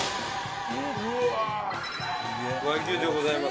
和牛でございます。